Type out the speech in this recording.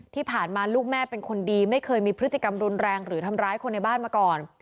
ที่ผ่านมาลูกแม่เป็นคนดีไม่เคยมีพฤติกรรมรุนแรงหรือทำร้ายคนในบ้านมาก่อน